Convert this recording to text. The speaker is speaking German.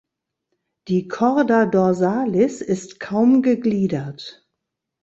Die Chorda dorsalis ist kaum gegliedert.